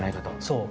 そう。